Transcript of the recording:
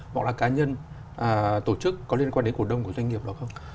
hoặc là cá nhân tổ chức có liên quan đến cổ đông của doanh nghiệp đó không